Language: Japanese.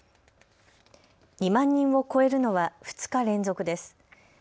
２万人を超えるのは２日連続です。